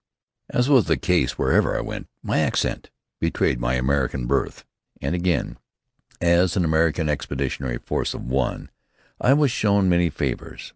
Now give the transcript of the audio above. As was the case wherever I went, my accent betrayed my American birth; and again, as an American Expeditionary Force of one, I was shown many favors.